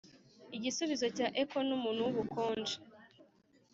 igisubizo cya echo numuntu wubukonje